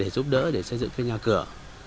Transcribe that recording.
giúp đỡ để xây dựng cái nhà cửa